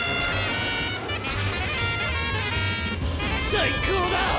最高だ。